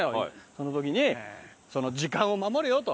その時に「時間を守れよ」と。